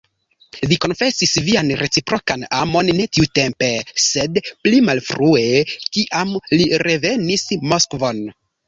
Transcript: Vi konfesis vian reciprokan amon ne tiutempe, sed pli malfrue, kiam li revenis Moskvon.